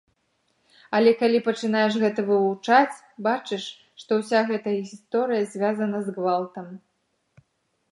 Але калі пачынаеш гэта вывучаць, бачыш, што ўся гэтая гісторыя звязана з гвалтам.